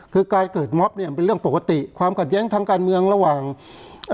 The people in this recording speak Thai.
คือการเกิดม็อบเนี้ยมันเป็นเรื่องปกติความขัดแย้งทางการเมืองระหว่างเอ่อ